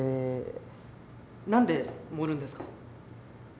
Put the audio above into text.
何で盛るんですか？